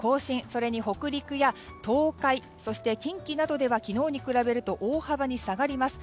それに北陸や東海そして近畿などでは昨日に比べると大幅に下がります。